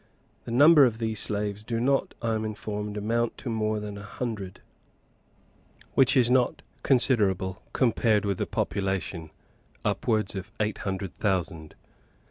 The number of these slaves do not, I am informed, amount to more than a hundred, which is not considerable, compared with the population, upwards of eight hundred thousand.